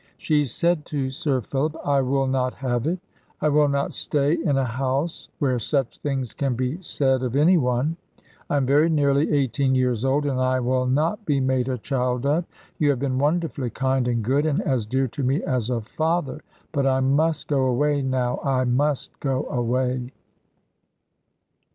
She said to Sir Philip, "I will not have it. I will not stay in a house where such things can be said of any one. I am very nearly eighteen years old, and I will not be made a child of. You have been wonderfully kind and good, and as dear to me as a father; but I must go away now; I must go away."